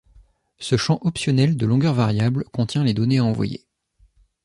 Ce champ optionnel de longueur variable contient les données à envoyer.